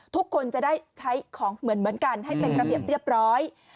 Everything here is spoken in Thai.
ทุกคนจะได้ใช้ของเหมือนกันให้เป็นระเบียบเรียบร้อย